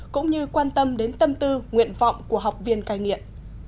cũng như quan tâm đến tâm tư nguyện vọng của học viên cai nghiện